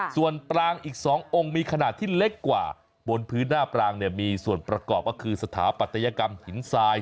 ส่วนปรางอีก๒องค์มีขนาดที่เล็กกว่าบนพื้นหน้าปรางเนี่ยมีส่วนประกอบก็คือสถาปัตยกรรมหินทราย